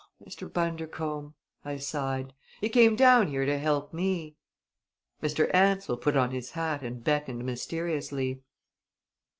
"Mr. Bundercombe!" I sighed. "He came down here to help me!" Mr. Ansell put on his hat and beckoned mysteriously.